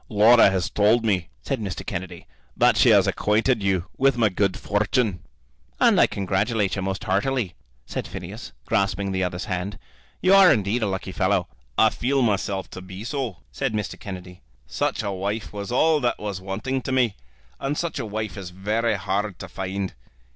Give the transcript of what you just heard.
"Laura has told me," said Mr. Kennedy, "that she has acquainted you with my good fortune." "And I congratulate you most heartily," said Phineas, grasping the other's hand. "You are indeed a lucky fellow." "I feel myself to be so," said Mr. Kennedy. "Such a wife was all that was wanting to me, and such a wife is very hard to find.